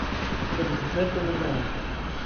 Pero su suerte no dura mucho.